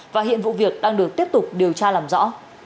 và hiện vụ việc đang được tiếp tục điều tra làm rõ